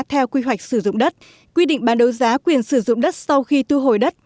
theo quy hoạch sử dụng đất quy định bán đấu giá quyền sử dụng đất sau khi thu hồi đất